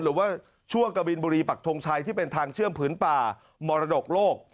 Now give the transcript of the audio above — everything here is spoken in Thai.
หรือว่าช่วงกะบินบุรีปักทงชัยที่เป็นทางเชื่อมผืนป่ามรดกโลก